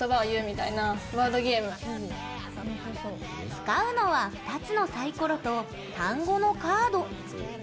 使うのは、２つのサイコロと単語のカード。